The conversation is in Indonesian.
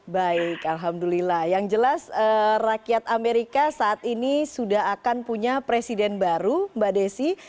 baik alhamdulillah yang jelas rakyat amerika saat ini sudah akan punya presiden baru mbak desi